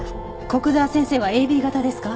古久沢先生はＡＢ型ですか？